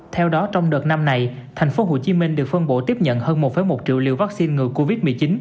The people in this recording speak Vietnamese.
theo đó trong đợt năm này tp hcm được phân bổ tiếp nhận hơn một một triệu liều vaccine ngừa covid một mươi chín